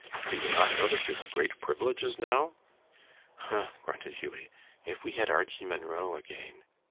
"Do you not know that you have great privileges now?" "Huh!" grunted Hughie. "If we had Archie Munro again."